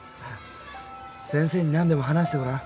先生に何でも話してごらん。